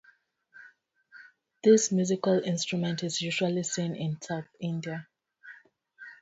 This musical instrument is usually seen in south India.